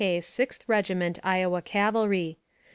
K, Sixth Reg. Iowa Cavalry.